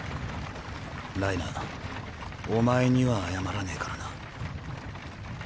ライナーお前には謝らねぇからな。